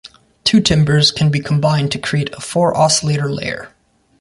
Two timbres can be combined to create a four-oscillator "layer".